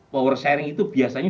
power sharing itu biasanya